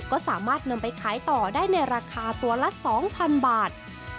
ก็สามารถนำไปขายต่อได้ในราคาตัวละ๒๐๐๐บาท